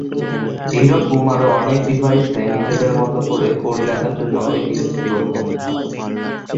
এইরকম আরও অনেক ডিভাইসে নিজেদের মত করে কোড লেখার জন্য এটি হচ্ছে প্রথম ধাপ।